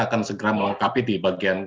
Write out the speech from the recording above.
akan segera melengkapi di bagian